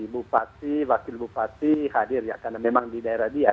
bupati wakil bupati hadir ya karena memang di daerah dia